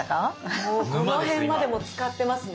もうこの辺までつかってますね。